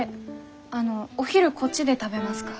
あのお昼こっちで食べますか？